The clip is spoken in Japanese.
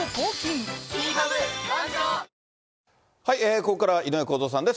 ここからは井上公造さんです。